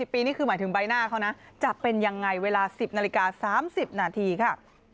ปีนี่คือหมายถึงใบหน้าเขานะจะเป็นยังไงเวลา๑๐นาฬิกา๓๐นาทีค่ะ